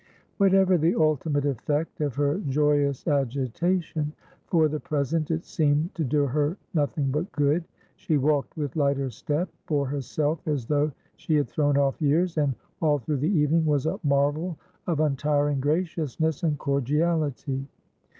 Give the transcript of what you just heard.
Whatever the ultimate effect of her joyous agitation, for the present it seemed to do her nothing but good. She walked with lighter step, bore herself as though she had thrown off years, and, all through the evening, was a marvel of untiring graciousness and cordiality.